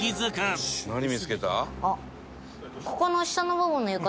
「何見つけた？」